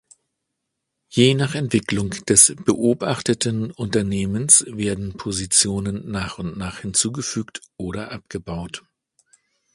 Je nach Entwicklung des beobachteten Unternehmens werden Positionen nach und nach hinzugefügt oder abgebaut.